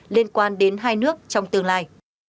liên quan đến hai nước trong tương lai